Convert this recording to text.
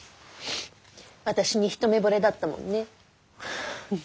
私に一目ぼれだったもんね。